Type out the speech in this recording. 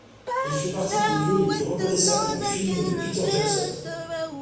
Il fait partie des lieux les plus reconnaissables du film de Peter Jackson.